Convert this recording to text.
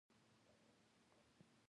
غالۍ معمولا پرانيستې خونې پوښي.